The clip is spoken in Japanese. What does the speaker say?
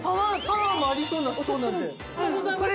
パワーもありそうなストーンなんで。